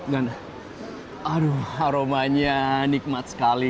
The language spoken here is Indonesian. dan aduh aromanya nikmat sekali